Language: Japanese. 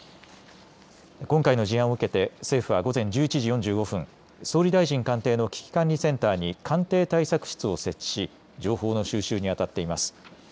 今回の事案を受けて政府は午前１１時４５分総理大臣官邸の危機管理センターに官邸対策室を設置し情報の収集に当たっています。